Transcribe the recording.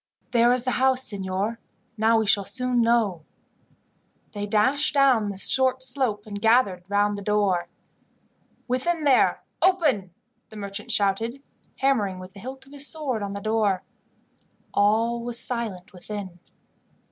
"There is the house, signor. Now we shall soon know." They dashed down the short slope, and gathered round the door. "Within there, open!" the merchant shouted, hammering with the hilt of his sword on the door. All was silent within.